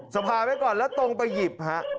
สภาไว้ก่อนแล้วตรงไปหยิบฮะ